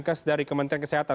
kes dari kementerian kesehatan